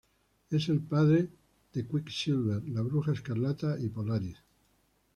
Es el padre de Quicksilver, la Bruja Escarlata y Polaris.